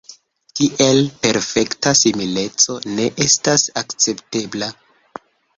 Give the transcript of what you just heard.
Tiel perfekta simileco ne estas akceptebla.